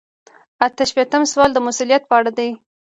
اته شپیتم سوال د مسؤلیت په اړه دی.